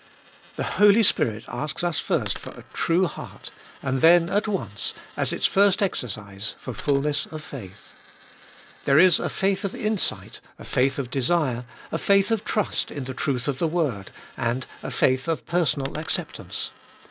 The Holy Spirit asks us first for a true heart, and then at once, as its first exercise, for fulness of faith. There is a faith of insight, a faith of desire, a faith of trust in the truth of the word, and a faith of personal acceptance.